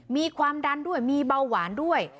มีความดันด้วยมีเบาหวานด้วย